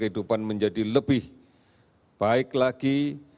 kehidupan menjadi lebih baik lagi